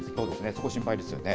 そこ心配ですよね。